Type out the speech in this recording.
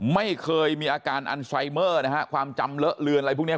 ไม่เคยมีอาการอันไซเมอร์นะฮะความจำเลอะเลือนอะไรพวกนี้